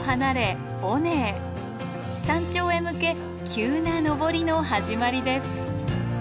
山頂へ向け急な登りの始まりです。